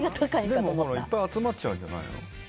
でもいっぱい集まっちゃうんじゃないの？